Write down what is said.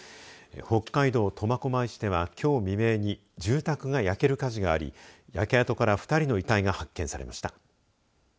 北海道苫小牧市ではきょう未明に住宅が焼ける火事があり焼け跡から２人の遺体が発見されました。